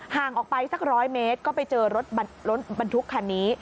ห่างออกไปสัก๑๐๐เมตรก็ไปเจอรถบรรทุกคันนี้